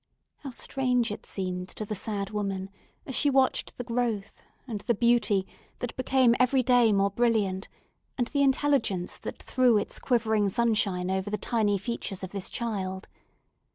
How strange it seemed to the sad woman, as she watched the growth, and the beauty that became every day more brilliant, and the intelligence that threw its quivering sunshine over the tiny features of this child!